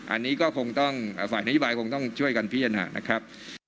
อันนี้ก็คงต้องฝ่ายนโยบายคงต้องช่วยกันพิจารณานะครับ